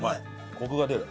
コクが出る。